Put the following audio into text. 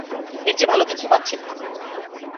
এর চেয়ে ভাল এখন কিছু পাচ্ছি না।